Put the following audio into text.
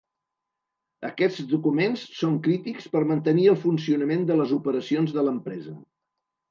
Aquests documents són crítics per mantenir el funcionament de les operacions de l'empresa.